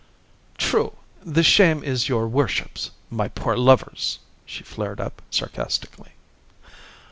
"True! The shame is your worship's my poor lover's," she flared up, sarcastically.